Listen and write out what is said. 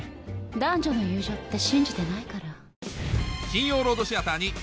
男女の友情って信じてないから。